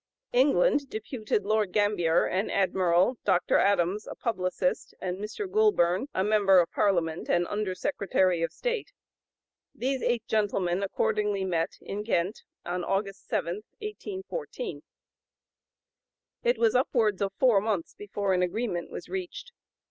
England deputed Lord Gambier, an admiral, Dr. Adams, a publicist, and Mr. Goulburn, a member of Parliament and Under Secretary of State. These eight gentlemen accordingly met in Ghent on August 7, 1814. It was upwards of four months before an agreement was reached.